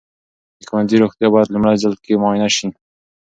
د ښوونځي روغتیا باید لومړي ځل کې معاینه سي.